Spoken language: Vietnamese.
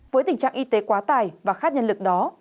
với tình trạng y tế quá tài và khát nhân lực đó